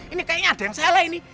ini kayaknya ada yang salah ini